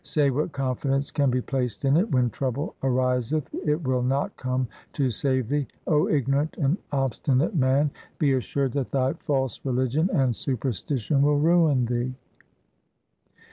Say what confidence can be placed in it ? when trouble ariseth, it will not come to save thee. O ignorant and obstinate man, be assured that thy false religion and superstition will ruin thee.